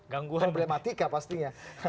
gangguan problematika pastinya